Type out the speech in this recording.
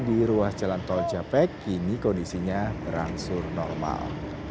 di ruas jalan tol japek kini kondisinya berangsur normal